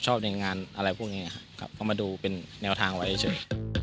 ในงานอะไรพวกนี้ครับก็มาดูเป็นแนวทางไว้เฉย